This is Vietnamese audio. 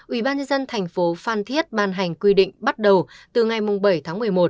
ủy ban nhân dân thành phố phan thiết ban hành quy định bắt đầu từ ngày bảy tháng một mươi một